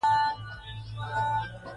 باد ځینې وخت تیز وي